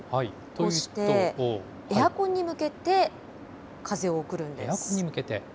こうして、エアコンに向けて風を送るんです。